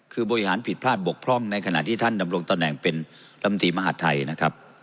คือบริหารผิดพลาดบกพร่องในขณะที่ท่านดำรงตำแหน่งเป็นลำตีมหาดไทยนะครับ